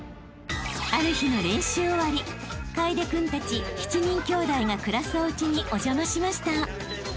［ある日の練習終わり楓君たち７人きょうだいが暮らすおうちにお邪魔しました］